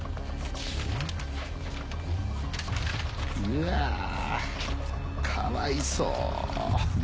うわかわいそう。